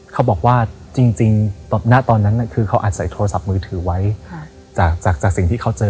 เขาบอกว่าจริงณตอนนั้นคือเขาอัดใส่โทรศัพท์มือถือไว้จากสิ่งที่เขาเจอ